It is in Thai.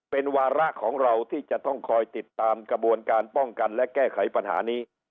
เป็นวาระของเราที่จะต้องคอยติดตามกระบวนการป้องกันและแก้ไขปัญหานี้